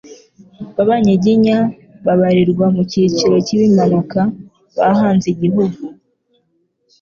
b'Abanyiginya babarirwa mu cyiciro cy'ibimanuka bahanze igihugu